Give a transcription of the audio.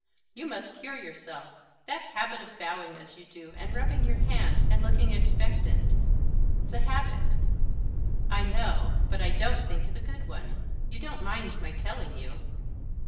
you must cure yourself. That habit of bowing as you do, and rubbing your hands, and looking expectant." "It's a habit." "I know. But I don't think it a good one. You don't mind my telling you?"